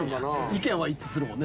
意見は一致するもんね。